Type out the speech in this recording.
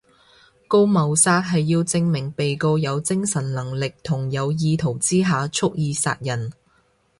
告謀殺係要證明被告有精神能力同有意圖之下蓄意殺人